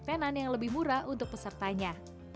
tenan yang lebih murah untuk pesertanya